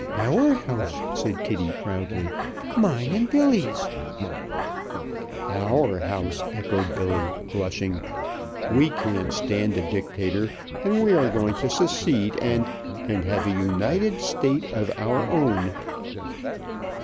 "Our house," said Kitty proudly. "Mine and Billy's." "Our house," echoed Billy, blushing. "We can't stand a Dictator, and we are going to secede and and have a United State of our own."